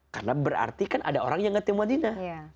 karena berarti kan ada orang yang ngetimuah nina